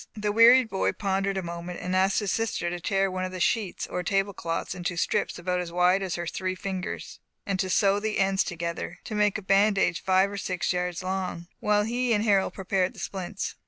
The wearied boy pondered a moment, and asked his sister to tear one of the sheets or table cloths into strips about as wide as her three fingers, and to sew the ends together, to make a bandage five or six yards long, while he and Harold prepared the splints.